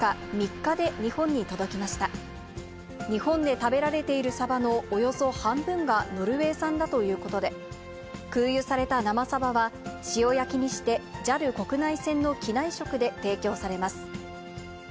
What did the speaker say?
日本で食べられているサバのおよそ半分がノルウェー産だということで、空輸された生サバは、塩焼きにして、ＪＡＬ国内線の機内食で提供されます。